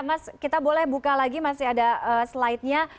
mas kita boleh buka lagi masih ada slidenya